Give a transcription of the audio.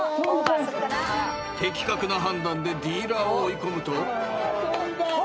［的確な判断でディーラーを追い込むと］